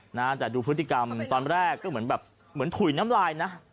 นะฮะแต่ดูพฤติกรรมตอนแรกก็เหมือนแบบเหมือนถุยน้ำลายนะ